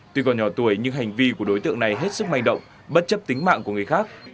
tuy còn nhỏ tuổi nhưng hành vi của đối tượng này hết sức manh động bất chấp tính mạng của người khác